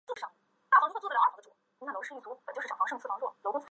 光轴苎叶蒟为胡椒科胡椒属下的一个变种。